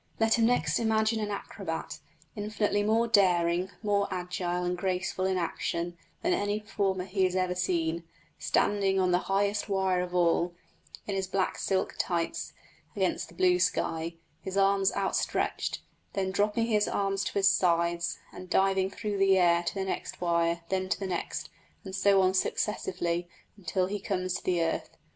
Let him next imagine an acrobat, infinitely more daring, more agile, and graceful in action than any performer he has ever seen, standing on the highest wire of all, in his black silk tights, against the blue sky, his arms outstretched; then dropping his arms to his sides and diving through the air to the next wire, then to the next, and so on successively until he comes to the earth.